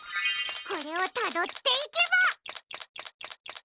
これをたどっていけば！